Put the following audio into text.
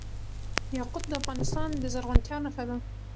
یاقوت د افغانستان د زرغونتیا نښه ده.